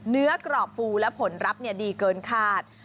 เนื้อกรอบฟูและผลรับดีเกินขาด